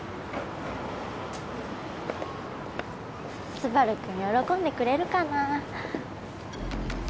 スバルくん喜んでくれるかな・